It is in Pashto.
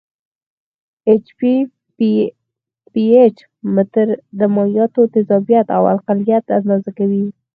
پي ایچ متر د مایعاتو تیزابیت او القلیت اندازه کوي.